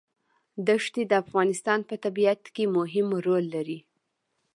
ښتې د افغانستان په طبیعت کې مهم رول لري.